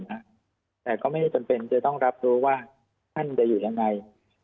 แต่ก็ไม่จำเป็นจะต้องรับรู้ว่าท่านจะอยู่ยังไง